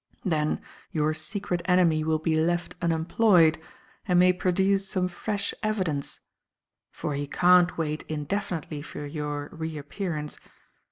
Then, your secret enemy will be left unemployed and may produce some fresh evidence for he can't wait indefinitely for your reappearance.